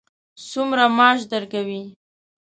څومره معاش درکوي.